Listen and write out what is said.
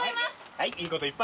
はい。